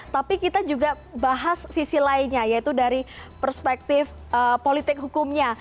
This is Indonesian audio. tapi kita juga bahas sisi lainnya yaitu dari perspektif politik hukumnya